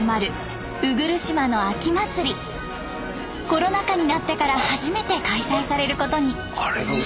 コロナ禍になってから初めて開催されることに。